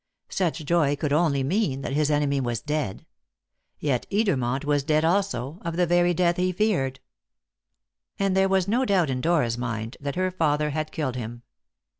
Such joy could only mean that his enemy was dead. Yet Edermont was dead also, of the very death he feared. And there was no doubt in Dora's mind that her father had killed him.